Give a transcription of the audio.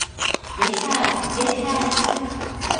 Yeter, yeter!